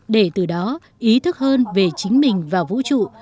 để từ đó ý thức hơn về chính mình và vũ trụ